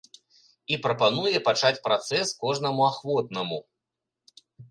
І прапануе пачаць працэс кожнаму ахвотнаму.